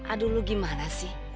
aduh lu gimana sih